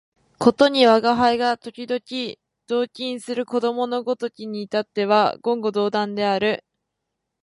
ことに吾輩が時々同衾する子供のごときに至っては言語道断である